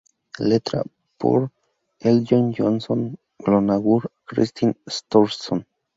Letra: Þór Eldon Jónsson y Guðlaugur Kristinn Óttarsson.